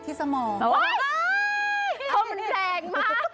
เขามันแรงมาก